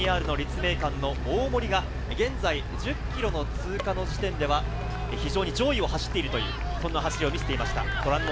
えんじの「Ｒ」の立命館の大森が現在１０ｋｍの通過の時点では非常に上位を走っているというそんな走りを見せていました。